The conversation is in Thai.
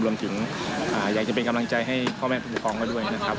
รวมถึงอยากจะเป็นกำลังใจให้พ่อแม่ผู้ปกครองเขาด้วยนะครับ